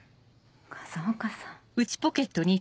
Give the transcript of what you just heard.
風岡さん。